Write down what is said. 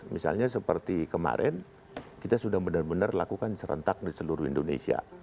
misalnya seperti kemarin kita sudah benar benar lakukan serentak di seluruh indonesia